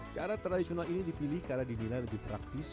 cara tradisional ini dipilih karena dinilai lebih praktis